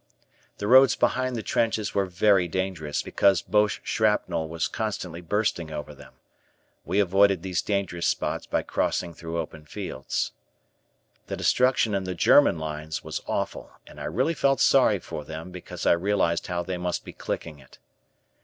The roads behind the trenches were very dangerous because Boche shrapnel was constantly bursting over them. We avoided these dangerous spots by crossing through open fields. The destruction in the German lines was awful and I really felt sorry for them because I realized how they must be clicking it.